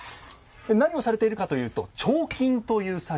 何をされているかというと彫金という作業です。